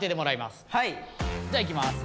じゃあいきます。